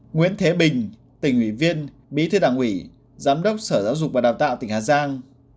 nguyễn thế bình tỉnh ủy viên bí thư đảng ủy giám đốc sở giáo dục và đào tạo tỉnh hà giang